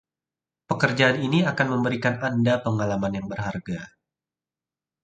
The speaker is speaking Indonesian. Pekerjaan ini akan memberikan Anda pengalaman yang berharga.